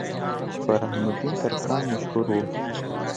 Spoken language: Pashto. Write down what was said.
چې پۀ رحم الدين ترکاڼ مشهور وو